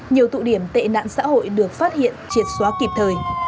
nhiều tụ điểm tệ nạn xã hội được phát hiện triệt xóa kịp thời